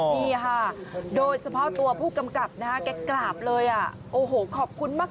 นี่ค่ะโดยเฉพาะตัวผู้กำกับนะฮะแกกราบเลยอ่ะโอ้โหขอบคุณมาก